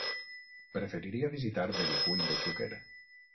Preferiria visitar Benicull de Xúquer.